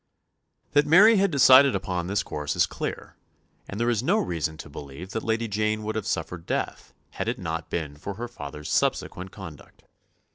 That Mary had decided upon this course is clear, and there is no reason to believe that Lady Jane would have suffered death had it not been for her father's subsequent conduct.